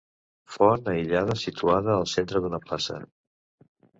Font aïllada situada al centre d'una plaça.